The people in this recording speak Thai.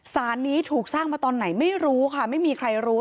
สารนี้ถูกสร้างมาตอนไหนไม่รู้ค่ะไม่มีใครรู้